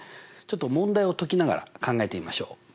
ちょっと問題を解きながら考えてみましょう。